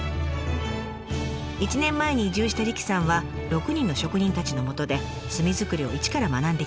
１年前に移住した理妃さんは６人の職人たちのもとで炭作りを一から学んできました。